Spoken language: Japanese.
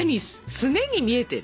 すねに見えてる？